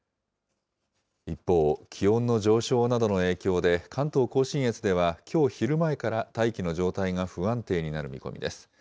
一方、気温の上昇などの影響で、関東甲信越では、きょう昼前から、大気の状態が不安定になる見込みです。